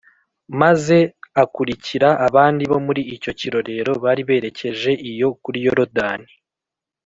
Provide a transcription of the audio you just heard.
maze akurikira abandi bo muri icyo kirorero bari berekeje iyo kuri Yorodani